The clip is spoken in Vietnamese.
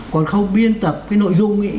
còn khâu biên tập cái nội dung ấy